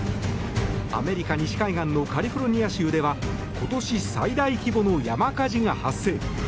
アメリカ西海岸のカリフォルニア州では今年最大規模の山火事が発生。